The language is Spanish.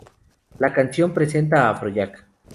La canción presenta a Afrojack.